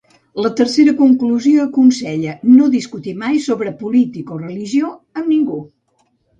La tercera conclusió aconsella no discutir mai sobre política o religió amb ningú.